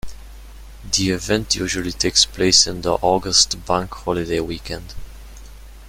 The event usually takes place on the August bank holiday weekend.